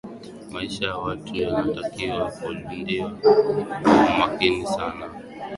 maisha ya watu yanatakiwa kulindwa kwa umakini sana